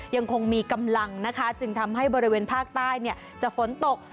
ยังคงมีกำลังนะคะจึงทำให้บริเวณภาคใต้จะฝนตก